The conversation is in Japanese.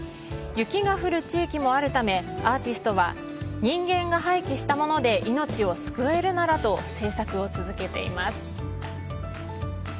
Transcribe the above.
雪が降る地域もあるため、アーティストは人間が廃棄した物で命を救えるならと制作を続けています。